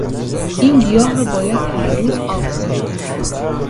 این گیاه را باید هر روز آب داد.